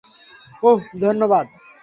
উফ, ধন্যবাদ।